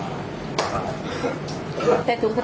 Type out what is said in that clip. อันนี้มันจะเจ็บไง